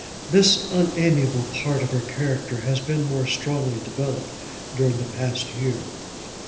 This unamiable part of her character has been more strongly developed during the past year.